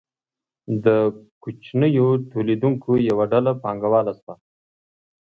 د کوچنیو تولیدونکو یوه ډله پانګواله شوه.